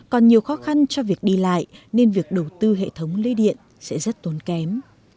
còn nhiều khó khăn cho việc đi lại nên việc đầu tư hệ thống lấy điện sẽ rất tốn kém